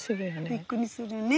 びっくりするね。